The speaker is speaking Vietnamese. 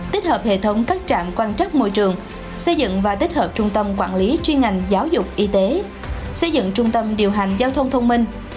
tích hợp hệ thống các trạm quan trắc môi trường xây dựng và tích hợp trung tâm quản lý chuyên ngành giáo dục y tế xây dựng trung tâm điều hành giao thông thông minh